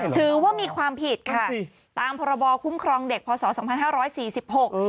ถือว่ามีความผิดค่ะสิตามพรบคุ้มครองเด็กพศสองพันห้าร้อยสี่สิบหก